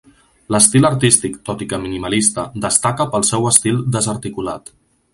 L'estil artístic, tot i que minimalista, destaca pel seu estil desarticulat.